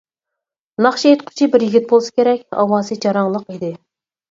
ناخشا ئېيتقۇچى بىر يىگىت بولسا كېرەك، ئاۋازى جاراڭلىق ئىدى.